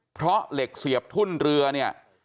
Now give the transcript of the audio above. เพราะเหล็กเสียบทุ่นเรือเนี่ย